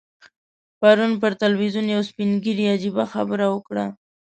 پرون پر ټلویزیون یو سپین ږیري عجیبه خبره وکړه.